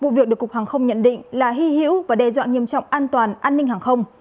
vụ việc được cục hàng không nhận định là hy hữu và đe dọa nghiêm trọng an toàn an ninh hàng không